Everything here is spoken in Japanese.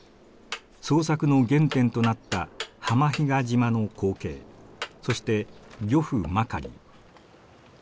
創作の原点となった浜比嘉島の光景そして漁夫マカリー。